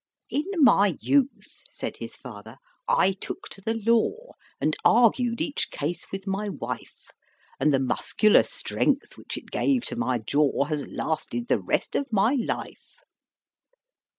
"In my youth," said his fater, "I took to the law, And argued each case with my wife; And the muscular strength, which it gave to my jaw, Has lasted the rest of my life."